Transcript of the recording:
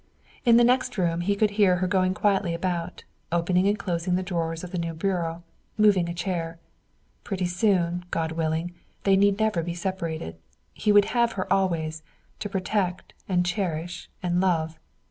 In the next room he could hear her going quietly about, opening and closing the drawers of the new bureau, moving a chair. Pretty soon, God willing, they need never be separated. He would have her always, to protect and cherish and love.